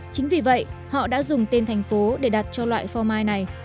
chính vì vậy họ đã dùng tên thành phố để đặt cho loại pho mai này